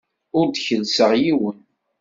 Ur d-kellseɣ yiwen.